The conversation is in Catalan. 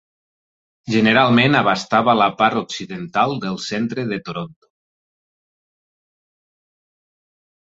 Generalment abastava la part occidental del centre de Toronto.